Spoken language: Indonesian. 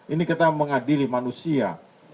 ini kita mengadili manusia